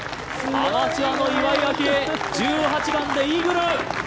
アマチュアの岩井明愛、１８番でイーグル！